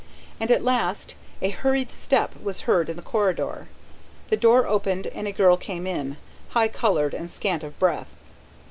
And at last a hurried step was heard in the corridor, the door opened and a girl came in, high coloured and scant of breath.